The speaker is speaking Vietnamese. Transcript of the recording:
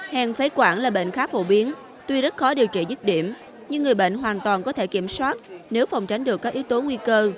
hèn phế quản là bệnh khá phổ biến tuy rất khó điều trị dứt điểm nhưng người bệnh hoàn toàn có thể kiểm soát nếu phòng tránh được các yếu tố nguy cơ